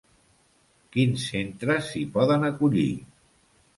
Quins centres s'hi poden acollir?